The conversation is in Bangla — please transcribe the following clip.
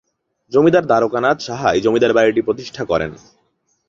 জমিদার দ্বারকানাথ সাহা এই জমিদার বাড়িটি প্রতিষ্ঠা করেন।